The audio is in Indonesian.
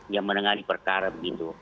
yang menengah di perkara begitu